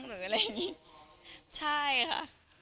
หรืออะไรอย่างนี้ใช่ค่ะ